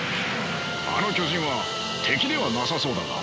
あの巨人は敵ではなさそうだが。